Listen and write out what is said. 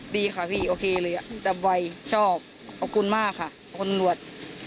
ดีค่ะพี่โอเคเลยจับไวชอบขอบคุณมากค่ะคุณตำรวจ